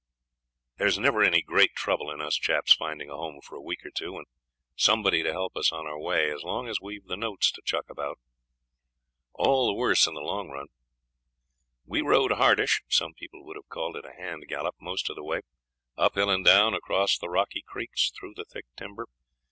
There's never any great trouble in us chaps finding a home for a week or two, and somebody to help us on our way as long as we've the notes to chuck about. All the worse in the long run. We rode hardish (some people would have called it a hand gallop) most of the way; up hill and down, across the rocky creeks, through thick timber.